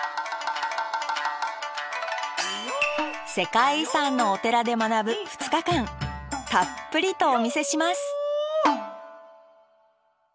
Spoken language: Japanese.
世界遺産のお寺で学ぶ２日間たっぷりとお見せします